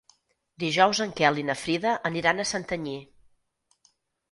Dijous en Quel i na Frida aniran a Santanyí.